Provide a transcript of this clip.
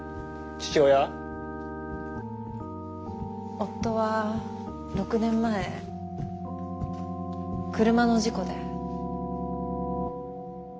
夫は６年前車の事故で。